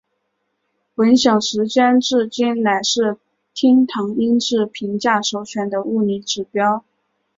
混响时间至今仍是厅堂音质评价首选的物理指标。